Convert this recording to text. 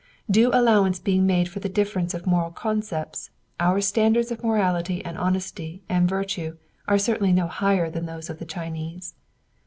Due allowance being made for the difference of moral concepts, our standards of morality and honesty and virtue are certainly no higher than those of the Chinese.